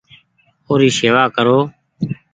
او ري شيوا ڪرو ۔